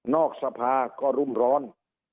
สภาก็รุ่มร้อน